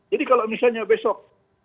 jadi kalau misalnya besok